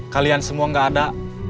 kalian semua nggak ada